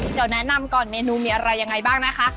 เดี๋ยวแนะนำก่อนเมนูมีอะไรยังไงบ้างนะคะ